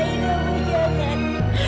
ibu ina mohon jangan